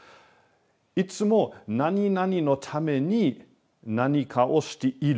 いつも何々のために何かをしている。